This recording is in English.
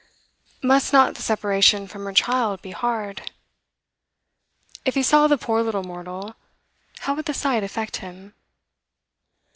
Must not the separation from her child be hard? If he saw the poor little mortal, how would the sight affect him?